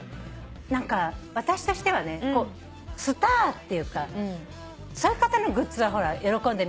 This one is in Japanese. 私としてはスターっていうかそういう方のグッズはほら喜んで皆さん使って。